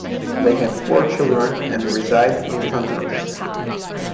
They have four children and reside in Huntington.